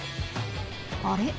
あれ？